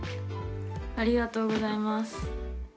ありがとうございます。